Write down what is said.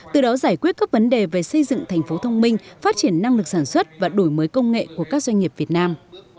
từ đó giải quyết các vấn đề về xây dựng thành phố thông minh phát triển năng lực sản xuất và đổi mới công nghệ của các doanh nghiệp việt nam